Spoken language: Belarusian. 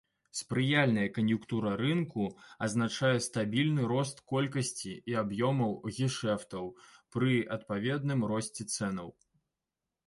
Спрыяльная кан'юнктура рынку азначае стабільны рост колькасці і аб'ёмаў гешэфтаў пры адпаведным росце цэнаў.